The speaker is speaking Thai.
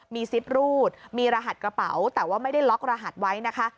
มีซิปรูดมีรหัสกระเป๋าแต่ว่าไม่ได้ล็อกรหัสไว้นะคะ